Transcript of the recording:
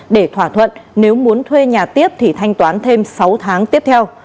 để thỏa thuận nếu muốn thuê nhà tiếp thì thanh toán thêm sáu tháng tiếp theo